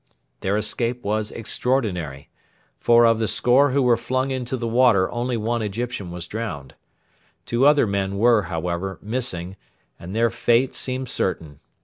Their escape was extraordinary, for of the score who were flung into the water only one Egyptian was drowned. Two other men were, however, missing, and their fate seemed certain.